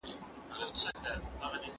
مشران له کلونو راهيسې ټولنه رهبري کوي.